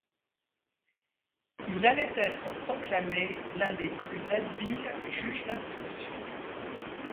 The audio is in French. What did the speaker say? Il allait être proclamé l’un des plus habiles juges d’instruction.